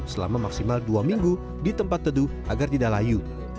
selama maksimal dua minggu di tempat teduh agar tidak layu